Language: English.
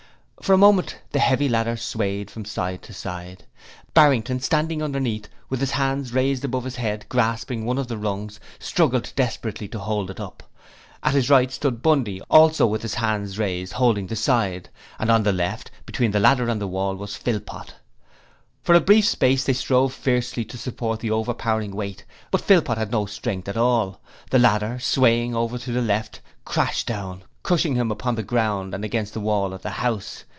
For a moment the heavy ladder swayed from side to side: Barrington, standing underneath, with his hands raised above his head grasping one of the rungs, struggled desperately to hold it up. At his right stood Bundy, also with arms upraised holding the side; and on the left, between the ladder and the wall, was Philpot. For a brief space they strove fiercely to support the overpowering weight, but Philpot had no strength, and the ladder, swaying over to the left, crashed down, crushing him upon the ground and against the wall of the house.